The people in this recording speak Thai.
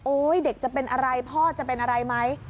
เด็กจะเป็นอะไรพ่อจะเป็นอะไรไหม